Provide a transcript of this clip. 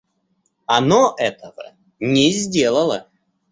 Оно этого не сделало.